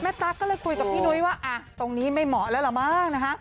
แม่ตั๊กก็เลยคุยกับพี่นุ้ยว่าอ่ะตรงนี้ไม่เหมาะแล้วเหรอมากนะฮะ